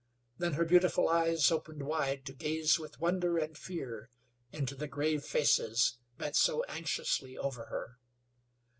Then her beautiful eyes opened wide to gaze with wonder and fear into the grave faces bent so anxiously over her.